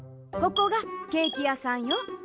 ここがケーキやさんよ。